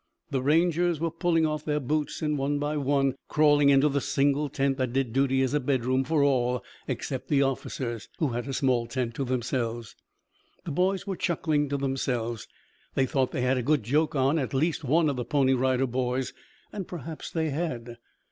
The Rangers were pulling off their boots and one by one crawling into the single tent that did duty as a bedroom for all except the officers, who had a small tent to themselves. The boys were chuckling to themselves. They thought they had a good joke on at least one of the Pony Rider Boys, and perhaps they had.